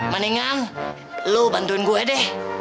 mendingan lu bantuin gue deh